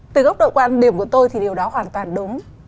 từ góc độ quan điểm của tôi thì điều đó hoàn toàn đúng